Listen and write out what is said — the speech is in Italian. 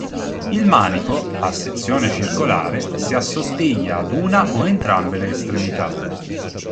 Il manico, a sezione circolare, si assottiglia ad una o entrambe le estremità.